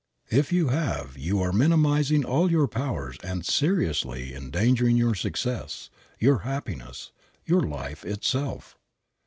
If you have you are minimizing all your powers and seriously endangering your success, your happiness, your life itself.